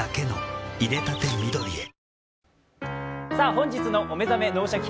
本日の「お目覚め脳シャキ！